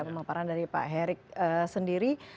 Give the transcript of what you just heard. pemaparan dari pak herik sendiri